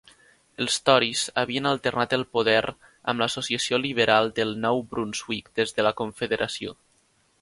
Els Tories havien alternat el poder amb l'Associació Liberal del Nou Brunswick des de la Confederació.